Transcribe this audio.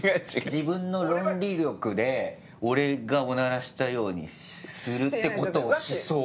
自分の論理力で俺がおならしたようにするってことをしそう。